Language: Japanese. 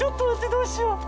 どうしよう！